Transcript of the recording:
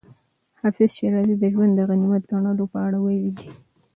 حافظ شېرازي د ژوند د غنیمت ګڼلو په اړه ویلي دي.